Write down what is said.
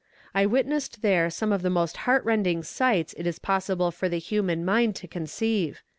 I witnessed there some of the most heart rending sights it is possible for the human mind to conceive.